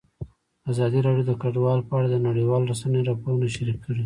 ازادي راډیو د کډوال په اړه د نړیوالو رسنیو راپورونه شریک کړي.